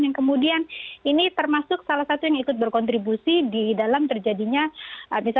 yang kemudian ini termasuk salah satu yang ikut berkontribusi di dalam terjadinya misalnya